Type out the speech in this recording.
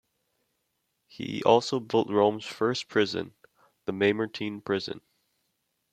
He also built Rome's first prison, the Mamertine prison.